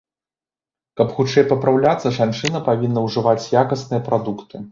Каб хутчэй папраўляцца, жанчына павінна ўжываць якасныя прадукты.